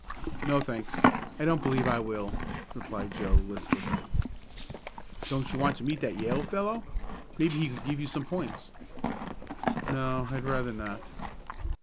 "No, thanks, I don't believe I will," replied Joe listlessly. "Don't you want to meet that Yale fellow? Maybe he could give you some points." "No, I'd rather not."